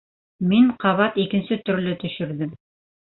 Мин ҡабат икенсе төрлө төшөрҙөм.